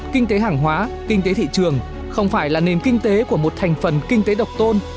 kinh tế hàng hóa kinh tế thị trường không phải là nền kinh tế của một thành phần kinh tế độc tôn